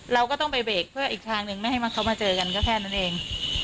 เราก็ต้องไปเบรกเพื่ออีกทางหนึ่งไม่ให้เขามาเจอกันก็แค่นั้นเอง